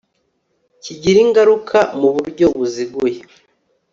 kigira ingaruka mu buryo buziguye